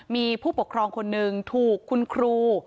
มีผู้ปกครองคนหนึ่งถูกคุณครู